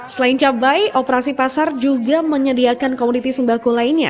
selain cabai operasi pasar juga menyediakan komoditi sembako lainnya